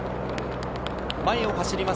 前を走ります